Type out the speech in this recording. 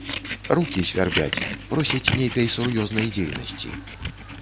Рукі свярбяць, просяць нейкай сур'ёзнай дзейнасці.